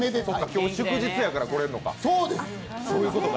今日、祝日だから来れるのか。